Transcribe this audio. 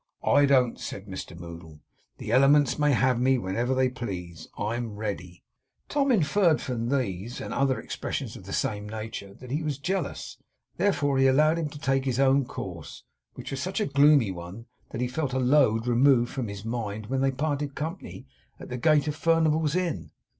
'I don't,' said Mr Moddle. 'The Elements may have me when they please. I'm ready.' Tom inferred from these, and other expressions of the same nature, that he was jealous. Therefore he allowed him to take his own course; which was such a gloomy one, that he felt a load removed from his mind when they parted company at the gate of Furnival's Inn.